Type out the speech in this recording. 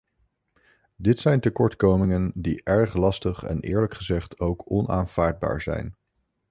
Dit zijn tekortkomingen die erg lastig en eerlijk gezegd ook onaanvaardbaar zijn.